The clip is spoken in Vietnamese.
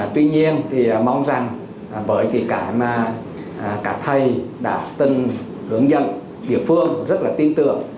tuy nhiên mong rằng với cái mà cả thầy đã từng hướng dẫn địa phương rất là tin tưởng